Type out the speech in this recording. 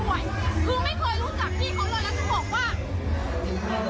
ไม่เคยมาเที่ยวแล้วอยู่เดียวมาตกหน้า